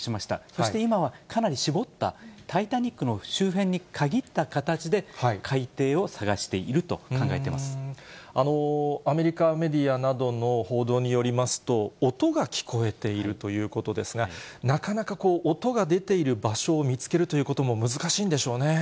そして今は、かなり絞った、タイタニックの周辺に限った形で、アメリカメディアなどの報道によりますと、音が聞こえているということですが、なかなかこう、音が出ている場所を見つけるということも難しいんでしょうね。